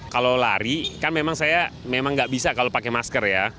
kalau lari kan memang saya memang nggak bisa kalau pakai masker ya